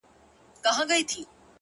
چي په هر يوه هنر کي را ايسار دی!